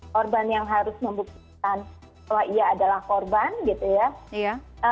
korban yang harus membuktikan bahwa ia adalah korban gitu ya